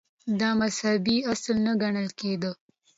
• دا مذهبي اصل نه ګڼل کېده.